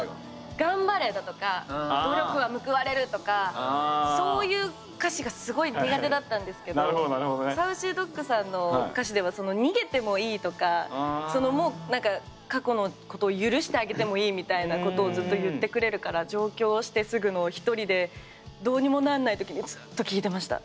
頑張れだとか努力は報われるとかそういう歌詞がすごい苦手だったんですけどＳａｕｃｙＤｏｇさんの歌詞では逃げてもいいとかもう過去のことを許してあげてもいいみたいなことをずっと言ってくれるから上京してすぐの１人でどうにもなんない時にずっと聴いてました。